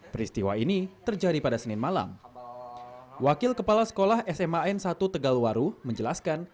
peristiwa ini terjadi pada senin malam wakil kepala sekolah sma n satu tegalwaru menjelaskan